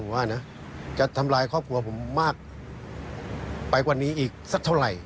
ว่านะจะทำลายครอบครัวผมมากไปกว่านี้อีกสักเท่าไหร่